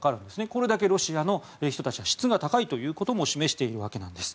これだけロシアの人たちの質が高いことを示しているんです。